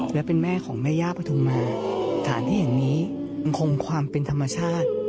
และเป็นแม่ของแม่ย่าปฐุมาสถานที่แห่งนี้คงความเป็นธรรมชาติ